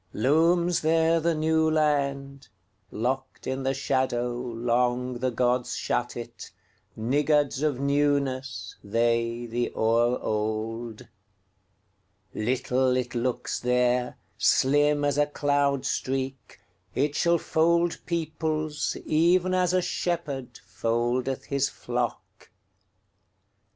Looms there the New Land:Locked in the shadowLong the gods shut it, Niggards of newnessThey, the o'er old. Little it looks there, Slim as a cloud streak; It shall fold peoplesEven as a shepherdFoldeth his flock.